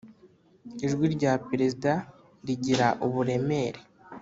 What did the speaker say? Ijwi rya Perezida rigira uburemere